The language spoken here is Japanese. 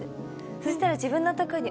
そしたら。